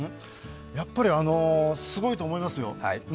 やっぱりすごいと思いますよ